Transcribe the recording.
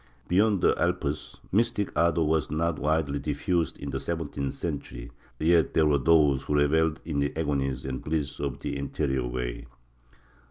Beyond the Alps, mystic ardor was not widely diffused in the seventeenth century, yet there were those who revelled in the agonies and bliss of the interior way.